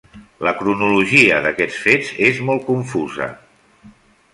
La cronologia d'aquests fets és molt confusa.